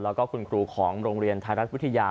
แล้วก็คุณครูของโรงเรียนไทยรัฐวิทยา